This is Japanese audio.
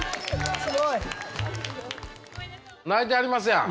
泣いてはりますやん。